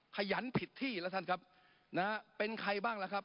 ขยันผิดที่แล้วท่านครับนะฮะเป็นใครบ้างล่ะครับ